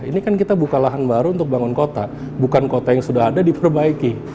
ini kan kita buka lahan baru untuk bangun kota bukan kota yang sudah ada diperbaiki